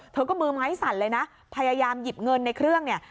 เธอก็มือไม้สั่นเลยนะพยายามหยิบเงินในเครื่องเนี่ย